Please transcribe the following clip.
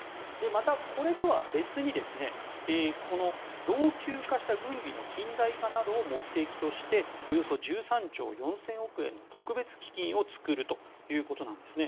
またこれとは別にこの老朽化した軍の近代化などを目的としておよそ１３兆４０００億円の特別基金を作るということです。